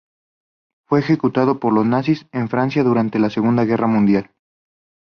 Fue ejecutado por los nazis en Francia durante la Segunda Guerra Mundial.